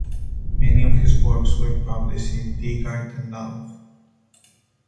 Many of his works were published in "Die Gartenlaube".